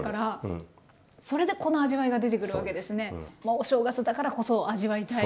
お正月だからこそ味わいたい。